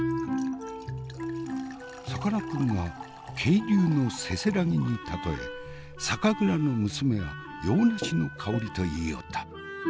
さかなクンが渓流のせせらぎに例え酒蔵の娘は洋梨の香りと言いよった。